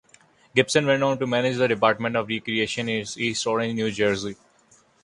Gibson went on to manage the Department of Recreation in East Orange, New Jersey.